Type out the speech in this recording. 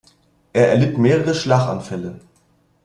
Er erlitt mehrere Schlaganfälle.